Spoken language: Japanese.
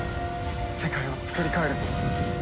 世界をつくり変えるぞ。